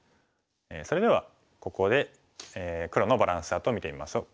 それではここで黒のバランスチャートを見てみましょう。